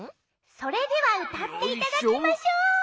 それではうたっていただきましょう。